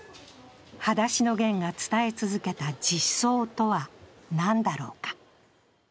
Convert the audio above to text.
「はだしのゲン」が伝え続けた実相とは何だろうか。